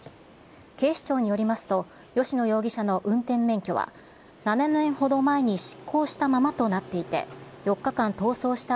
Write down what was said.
警視庁によりますと、吉野容疑者の運転免許は７年ほど前に失効したままとなっていて、４日間逃走した